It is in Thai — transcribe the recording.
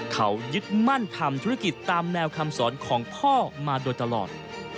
เขายึดมั่นทำธุรกิจตามแนวคำสอนของพ่อมาโดยตลอด